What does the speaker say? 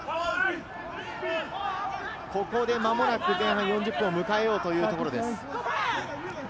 ここでまもなく前半４０分を迎えようというところ。